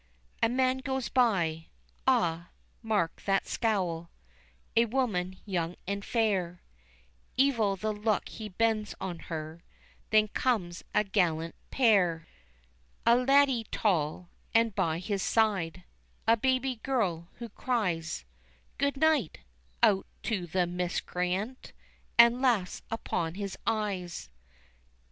A man goes by ah, mark that scowl A woman young and fair, Evil the look he bends on her Then comes a gallant pair. A laddie tall, and by his side A baby girl, who cries Good night! out to the miscreant, And laughs up in his eyes.